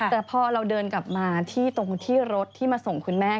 แต่พอเราเดินกลับมาที่ตรงที่รถที่มาส่งคุณแม่